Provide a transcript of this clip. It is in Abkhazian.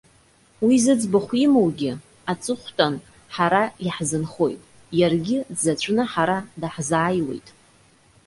Уи зыӡбахә имоугьы, аҵыхәтәан ҳара иаҳзынхоит, иаргьы дзаҵәны ҳара даҳзааиуеит.